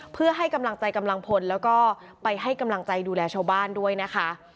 เพื่อให้กำลังใจกำลังพลแล้วก็ไปให้กำลังใจดูแลชาวบ้านด้วยนะคะ